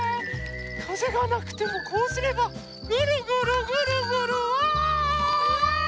かぜがなくてもこうすればぐるぐるぐるぐるわい！